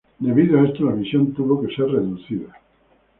Debido a esto, la misión tuvo que ser reducida.